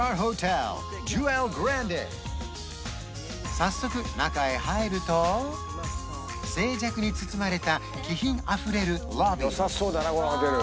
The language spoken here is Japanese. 早速中へ入ると静寂に包まれた気品あふれるロビー